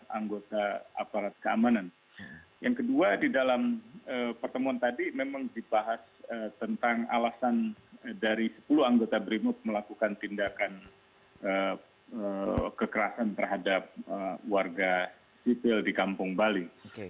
yang kedua di dalam pertemuan tadi memang dibahas tentang alasan dari sepuluh anggota brimu melakukan tindakan kekerasan terhadap warga sipil di kampung bali